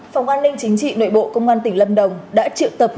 phòng an ninh chính trị nội bộ công an tỉnh lâm đồng đã triệu tập người dân